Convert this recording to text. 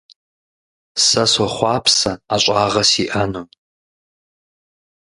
Сэ сохъуапсэ ӀэщӀагъэ сиӀэну.